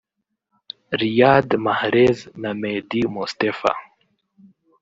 Riyad Mahrez na Mehdi Mostefa